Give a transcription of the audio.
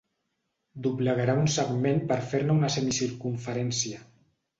Doblegarà un segment per fer-ne una semicircumferència.